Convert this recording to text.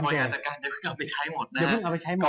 บริหารจัดการเดี๋ยวพึ่งเอาไปใช้หมดนะครับ